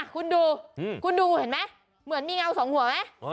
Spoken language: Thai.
คุณดูคุณดูเห็นไหมเหมือนมีเงาสองหัวไหม